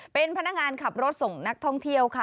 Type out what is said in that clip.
เป็นพนักงานขับรถส่งนักท่องเที่ยวค่ะ